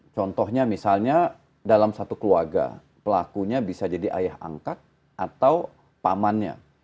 contohnya misalnya dalam satu keluarga pelakunya bisa jadi ayah angkat atau pamannya